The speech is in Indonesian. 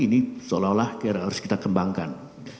ini seolah olah harus kita kembangkan